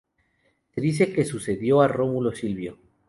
Se dice que sucedió a Rómulo Silvio.